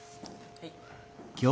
はい。